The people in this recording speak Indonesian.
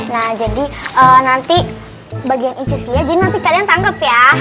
nah jadi nanti bagian inces dia jadi nanti kalian tangkap ya